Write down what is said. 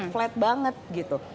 flat banget gitu